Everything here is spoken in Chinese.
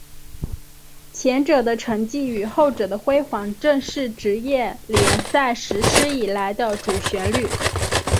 前者的沉寂与后者的辉煌正是职业联赛实施以来的主旋律。